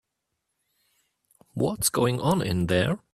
What's going on in there?